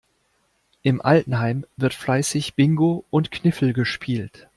Im Altenheim wird fleißig Bingo und Kniffel gespielt.